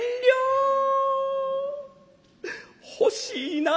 欲しいな。